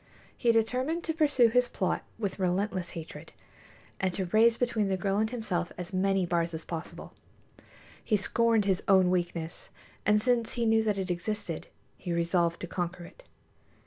He determined to pursue his plot with relentless hatred, and to raise between the girl and himself as many bars as possible. He scorned his own weakness, and since he knew that it existed, he resolved to conquer it.